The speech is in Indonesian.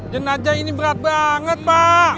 jenajah ini berat banget pak